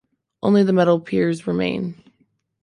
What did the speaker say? Only the metal piers remain.